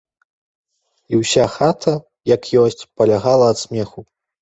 І ўся хата, як ёсць, палягала ад смеху.